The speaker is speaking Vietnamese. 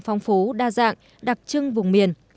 phong phú đa dạng đặc trưng vùng miền